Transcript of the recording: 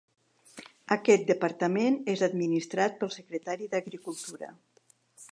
Aquest departament és administrat pel secretari d'agricultura.